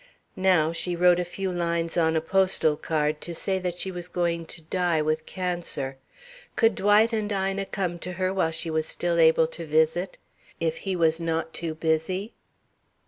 Now she wrote a few lines on a postal card to say that she was going to die with cancer. Could Dwight and Ina come to her while she was still able to visit? If he was not too busy....